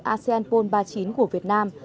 asean napron ba mươi chín của việt nam